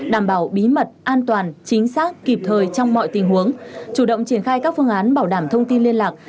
đảm bảo bí mật an toàn chính xác kịp thời trong mọi tình huống chủ động triển khai các phương án bảo đảm thông tin liên lạc